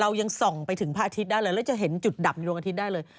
ยังส่องไปถึงพระอาทิตย์ได้เลยแล้วจะเห็นจุดดับในดวงอาทิตย์ได้เลย